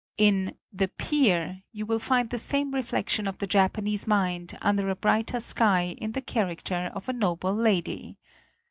In "The Pier" you will find the same reflection of the Japanese mind, under a brighter sky, in the character of a noble lady.